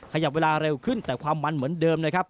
ขยับเวลาเร็วขึ้นแต่ความมันเหมือนเดิมนะครับ